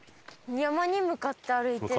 山に向かって歩いてる？